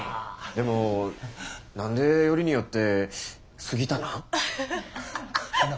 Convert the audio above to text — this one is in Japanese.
でも何でよりによって杉田なん？